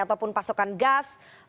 ataupun pasokan gas